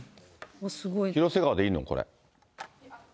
広瀬川でいいの？